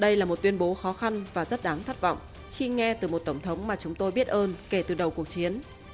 đây là một tuyên bố khó khăn và rất đáng thất vọng khi nghe từ một tổng thống mà chúng tôi biết ơn kể từ đầu cuộc chiến